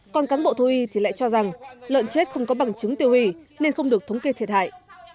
còn cán bộ thú y thì lại cho rằng lợn chết không có bằng chứng tiêu hủy nên không được thống kê thiệt hại